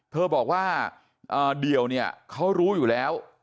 เธอบอกว่าเดี่ยวเนี่ยเขารู้อยู่แล้ว